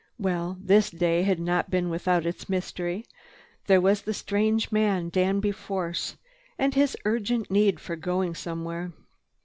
Well, this day had not been without its mystery. There was the strange man, Danby Force, and his urgent need for going somewhere.